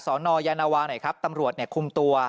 สอนอยาณวาตำรวจคุมตัว